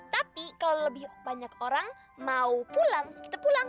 tapi kalau lebih banyak orang mau pulang kita pulang